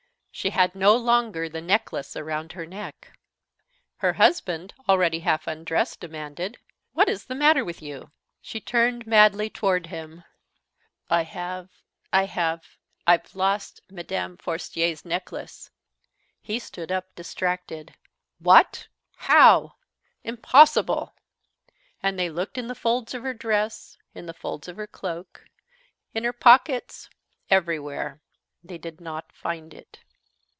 She had no longer the necklace around her neck! Her husband, already half undressed, demanded: "What is the matter with you?" She turned madly toward him: "I have I have I've lost Mme. Forestier's necklace." He stood up, distracted. "What! how? Impossible!" And they looked in the folds of her dress, in the folds of her cloak, in her pockets, everywhere. They did not find it.